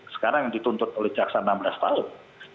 sekarang dituntut oleh jaksa enam belas tahun